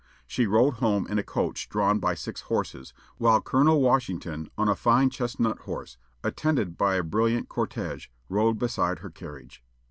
She rode home in a coach drawn by six horses, while Colonel Washington, on a fine chestnut horse, attended by a brilliant cortége, rode beside her carriage.